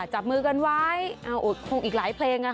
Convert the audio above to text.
จับมือกันไว้คงอีกหลายเพลง